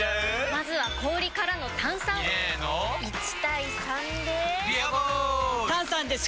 まずは氷からの炭酸！入れの１：３で「ビアボール」！